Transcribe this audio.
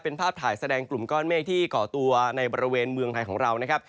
เป็นภาพถ่ายแสดงกลุ่มก้อนเมฆที่ก่อตัวในบริเวณเมืองไทยของเรานะครับ